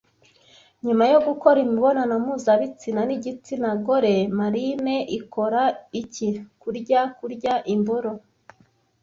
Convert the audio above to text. Nyuma yo gukora imibonano mpuzabitsina nigitsina gore marine ikora iki Kurya kurya imboro